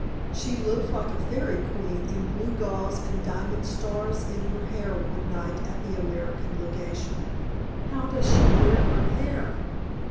She looked like a fairy queen in blue gauze and diamond stars in her hair one night at the American Legation " "How does she wear her hair?"